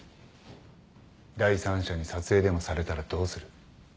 第三者に撮影でもされたらどうする？